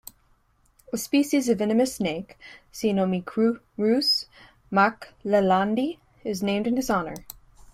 A species of venomous snake, "Sinomicrurus macclellandi", is named in his honor.